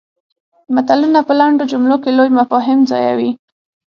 متلونه په لنډو جملو کې لوی مفاهیم ځایوي